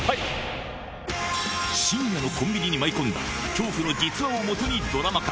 深夜のコンビニに舞い込んだ、恐怖の実話を基にドラマ化。